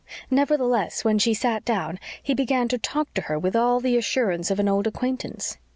Nevertheless, when she sat down, he began to talk to her with all the assurance of an old acquaintance.